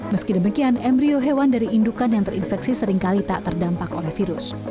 meski demikian embryo hewan dari indukan yang terinfeksi seringkali tak terdampak oleh virus